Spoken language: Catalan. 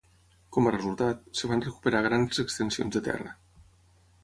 Com a resultat, es van recuperar grans extensions de terra.